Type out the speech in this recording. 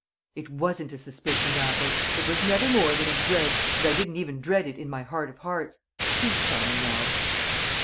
"It wasn't a suspicion, Raffles. It was never more than a dread, and I didn't even dread it in my heart of hearts. Do tell me now."